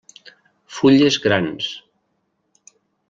Fulles grans.